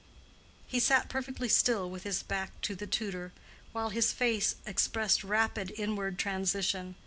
He sat perfectly still with his back to the tutor, while his face expressed rapid inward transition.